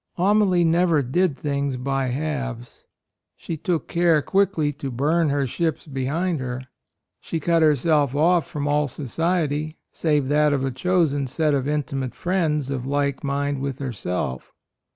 Amalie never did things by halves. She took care quickly to burn her ships behind her. She cut herself off from all society, save that of a chosen set of intimate friends of like mind with herself.